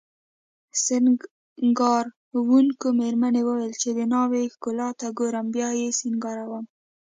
سینګاروونکې میرمنې وویل چې د ناوې ښکلا ته ګورم بیا یې سینګاروم